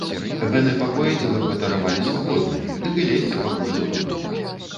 Гэны пакой, дзе вы кватаравалі, свабодны, дык і лезьце пакуль што туды.